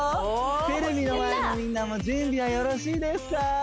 テレビの前のみんなも準備はよろしいですか？